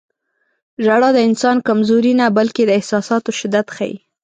• ژړا د انسان کمزوري نه، بلکې د احساساتو شدت ښيي.